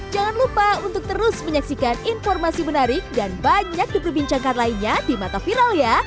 jangan lupa untuk terus menyaksikan informasi menarik dan banyak diperbincangkan lainnya di mata viral ya